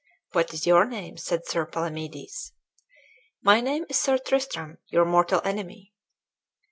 "What is your name?" said Sir Palamedes. "My name is Sir Tristram, your mortal enemy."